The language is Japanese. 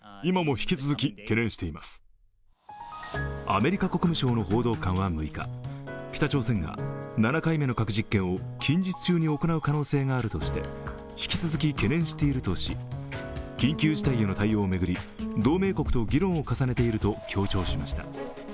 アメリカ国務省の報道官は６日、北朝鮮が７回目の核実験を近日中に行う可能性があるとして引き続き懸念しているとし、緊急事態への対応を巡り同盟国と議論を重ねていると強調しました。